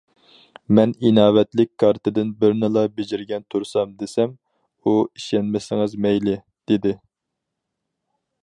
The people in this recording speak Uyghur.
مەن: ئىناۋەتلىك كارتىدىن بىرنىلا بېجىرگەن تۇرسام، دېسەم، ئۇ: ئىشەنمىسىڭىز مەيلى، دېدى.